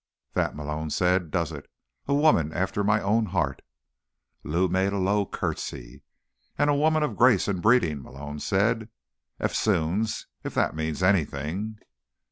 "That," Malone said, "does it. A woman after my own heart." Lou made a low curtsy. "And a woman of grace and breeding," Malone said. "Eftsoons, if that means anything."